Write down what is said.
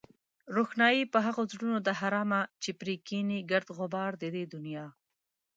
روښنايي په هغو زړونو ده حرامه چې پرې کېني گرد غبار د دې دنيا